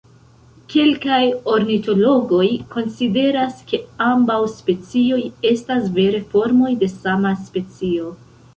Kelkaj ornitologoj konsideras, ke ambaŭ specioj estas vere formoj de sama specio.